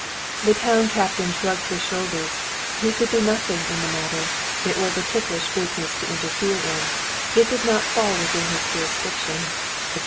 The Town Captain shrugged his shoulders, he could do nothing in the matter; it was a ticklish business to interfere in; it did not fall within his jurisdiction, etc.